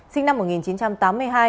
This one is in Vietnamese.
sinh năm một nghìn chín trăm tám mươi hai